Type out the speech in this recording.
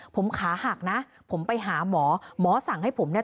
ผมขาหักนะผมไปหาหมอหมอสั่งให้ผมเนี่ย